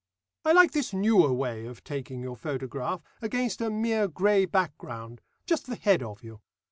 "I like this newer way of taking your photograph, against a mere grey background; just the head of you.